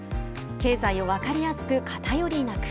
経済を分かりやすく偏りなく。